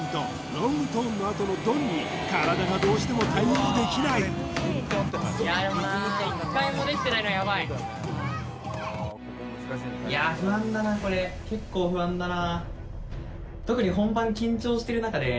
ロングトーンのあとのドンに体がどうしても対応できない結構不安だな